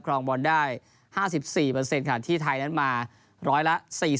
รองบอลได้๕๔ค่ะที่ไทยนั้นมาร้อยละ๔๐